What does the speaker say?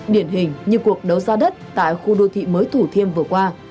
điển hình như cuộc đấu giá đất tại khu đô thị mới thủ thiêm vừa qua